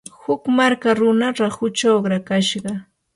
huk marka runa rahuchaw uqrakashqa.